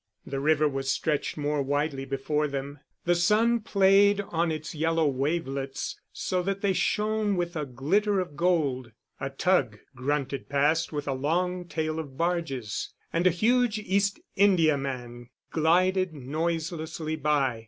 The river was stretched more widely before them. The sun played on its yellow wavelets so that they shone with a glitter of gold. A tug grunted past with a long tail of barges, and a huge East Indiaman glided noiselessly by.